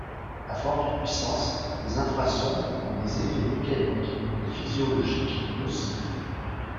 À forte puissance, les infrasons ont des effets mécaniques et physiologiques nocifs, voire destructeurs.